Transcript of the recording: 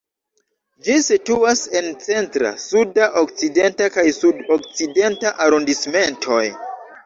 Ĝi situas en Centra, Suda, Okcidenta kaj Sud-Okcidenta arondismentoj.